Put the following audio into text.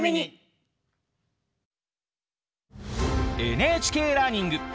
「ＮＨＫラーニング」